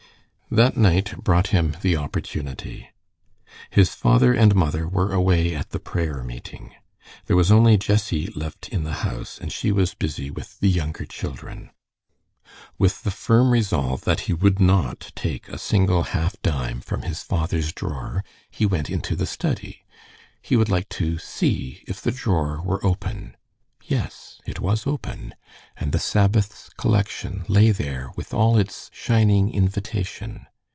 That night brought him the opportunity. His father and mother were away at the prayer meeting. There was only Jessie left in the house, and she was busy with the younger children. With the firm resolve that he would not take a single half dime from his father's drawer, he went into the study. He would like to see if the drawer were open. Yes, it was open, and the Sabbath's collection lay there with all its shining invitation.